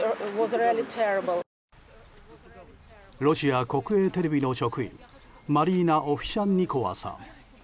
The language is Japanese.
ロシア国営テレビの職員マリーナ・オフシャンニコワさん。